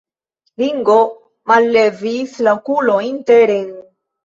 Ringo mallevis la okulojn teren.